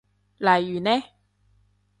例如呢？